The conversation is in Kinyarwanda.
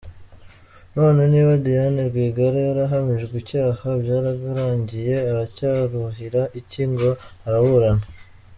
None niba Diane Rwigara yarahamijwe icyaha byararangiye aracyaruhira iki ngo araburana!